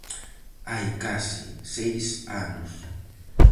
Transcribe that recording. Hai case seis anos.